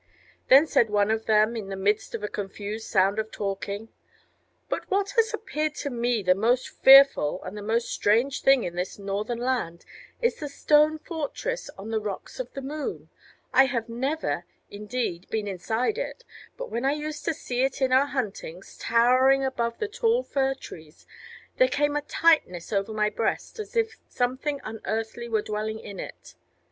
Then said one of them in the midst of a confused sound of talking: "But what has appeared to me the most fearful and the most strange thing in this northern land is the stone fortress on the Rocks of the Moon: I have never, indeed, been inside it, but when I used to see it in our huntings, towering above the tall fir trees, there came a tightness over my breast, as if something unearthly were dwelling in it.